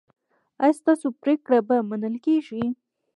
ایا ستاسو پریکړې به منل کیږي؟